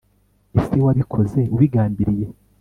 ese wabikoze ubigambiriye